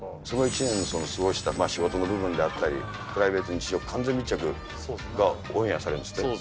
その一年の過ごした、仕事の部分であったり、プライベートの日常、完全密着、オンエアされるんですって？